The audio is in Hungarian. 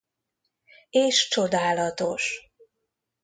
És csodálatos.